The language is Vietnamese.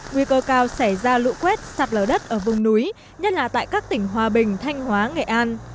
nguy cơ cao xảy ra lũ quét sạt lở đất ở vùng núi nhất là tại các tỉnh hòa bình thanh hóa nghệ an